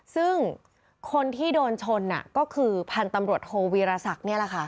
ซึ่งคนที่โดนชนก็คือพันธุ์ตำรวจโทวีรศักดิ์นี่แหละค่ะ